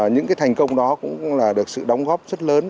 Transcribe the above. những thành công đó cũng được sự đóng góp rất lớn